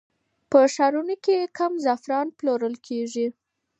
په ښارونو کې هم زعفران پلورل کېږي.